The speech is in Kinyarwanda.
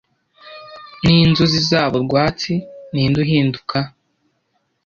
Ninzuzi zabo rwatsi, ninde uhinduka